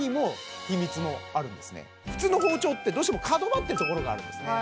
普通の包丁ってどうしても角張ってるところがあるんですね